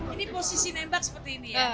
ini posisi nembak seperti ini ya